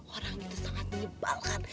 orang itu sangat menyebalkan